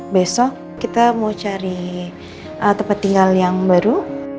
besok kita mau cari tempat tinggal yang baru